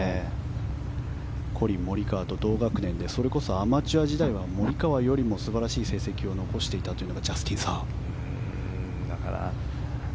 コリン・モリカワと同学年でそれこそアマチュア時代はモリカワよりも素晴らしい成績を残していたのがジャスティン・サーです。